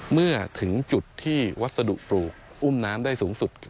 เมื่อถึงจุดที่วัสดุปลูกอุ้มน้ำได้สูงสุด